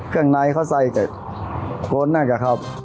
เครื่องไนเขาใส่กับโกนนะครับ